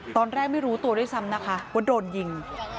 ไม่รู้ตัวด้วยซ้ำนะคะว่าโดนยิง